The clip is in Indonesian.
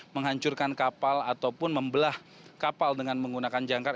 menghancurkan kapal ataupun membelah kapal dengan menggunakan jangkar